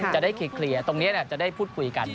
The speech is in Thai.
จะได้เคลียร์ตรงนี้จะได้พูดคุยกัน